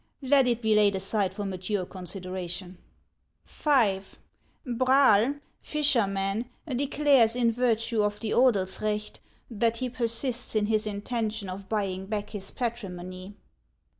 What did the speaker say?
Let it be laid aside for mature consideration." HANS OF ICELAND. 77 " 5. Braal, fisherman, declares, in virtue of the Odels recht,1 that he persists in his intention of buying back his patrimony.